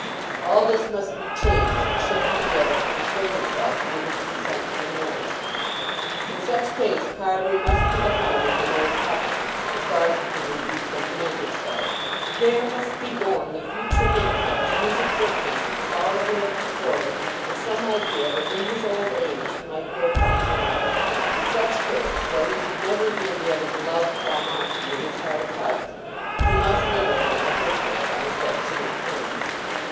All this must be changed, should he be able to persuade himself to give his consent to the marriage. In such case Carbury must be the home of the married couple, as far as he could induce them to make it so. There must be born the future infant to whose existence he was already looking forward with some idea that in his old age he might there find comfort. In such case, though he should never again be able to love Paul Montague in his heart of hearts, he must live with him for her sake on affectionate terms.